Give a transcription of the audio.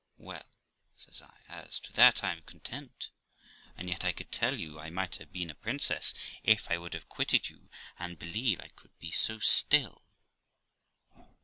'Well', says I, 'as to that I am content, and yet I could tell you I might have been a princess if I would have quitted you, and believe I could be so still.'